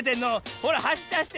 ほらはしってはしって。